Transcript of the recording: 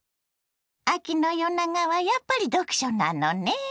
秋の夜長はやっぱり読書なのね。